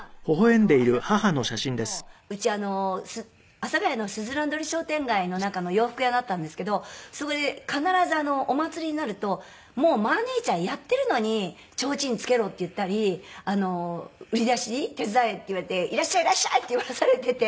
母が朝ドラ出た時もうち阿佐ヶ谷のすずらん通り商店街の中の洋服屋だったんですけどそこで必ずお祭りになるともう『マー姉ちゃん』やってるのに「ちょうちんつけろ」って言ったり「売り出し手伝え」って言われて「いらっしゃいいらっしゃい！」って言わされてて。